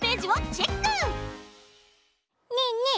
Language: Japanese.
ねえねえ